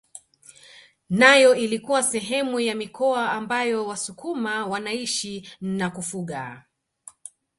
Nayo ilikuwa sehemu ya mikoa ambayo wasukuma wanaishi na kufuga